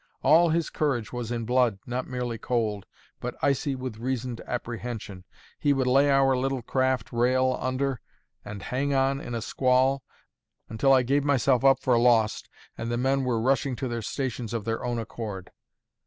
All his courage was in blood, not merely cold, but icy with reasoned apprehension. He would lay our little craft rail under, and "hang on" in a squall, until I gave myself up for lost, and the men were rushing to their stations of their own accord.